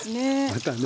またね。